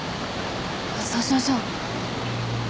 そうしましょう。